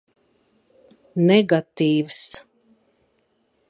Negatīvs.